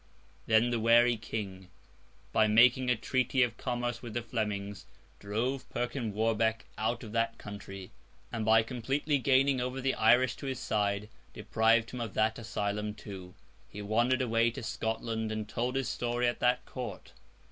Then the wary King, by making a treaty of commerce with the Flemings, drove Perkin Warbeck out of that country; and, by completely gaining over the Irish to his side, deprived him of that asylum too. He wandered away to Scotland, and told his story at that Court.